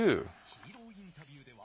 ヒーローインタビューでは。